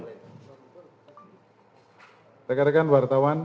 salam sejahtera rekan rekan wartawan